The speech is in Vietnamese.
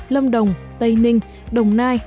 lâm đồng tây ninh đồng nai